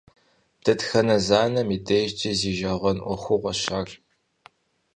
Дэтхэнэ зы анэм и дежкӀи узижэгъуэн Ӏуэхугъуэщ ар.